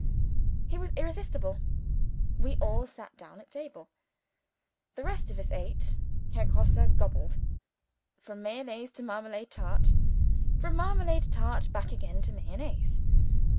He was irresistible. We all sat down at table. The rest of us ate. Herr Grosse gobbled. From Mayonnaise to marmalade tart. From marmalade tart back again to Mayonnaise.